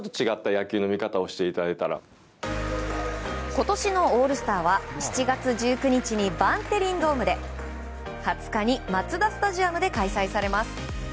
今年のオールスターは７月１９日にバンテリンドームで２０日にマツダスタジアムで開催されます。